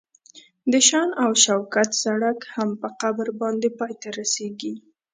د شان او شوکت سړک هم په قبر باندې پای ته رسیږي.